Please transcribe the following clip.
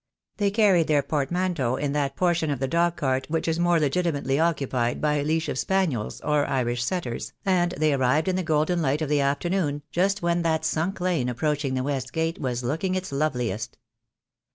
They carried their portmanteaux in that portion of the dog cart which is more legitimately occupied by a leash of spaniels or Irish setters, and they arrived in the golden light of the afternoon, just when that sunk lane approach ing the west gate was looking its loveliest.